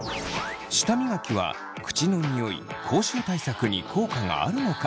舌磨きは口のニオイ口臭対策に効果があるのか？